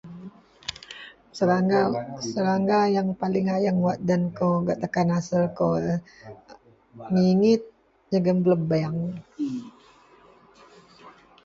Serangga yang paling ayeng wak den kou gak takan asuo kou ngigit jegum belebeng.